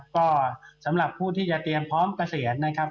ก็สำหรับผู้ที่จะเตรียมพร้อมเกษียณนะครับ